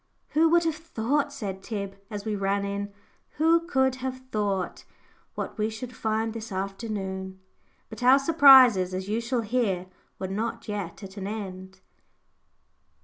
"Who would have thought," said Tib, as we ran in, "who could have thought, what we should find this afternoon?" But our surprises, as you shall hear, were not yet at an end.